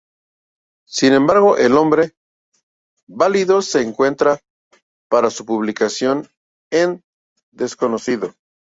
Sin embargo, el nombre válido se encuentra para su publicación es desconocido.